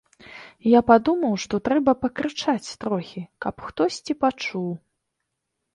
Я падумаў, што трэба пакрычаць трохі, каб хтосьці пачуў.